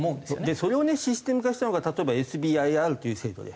それをねシステム化したのが例えばＳＢＩＲという制度で。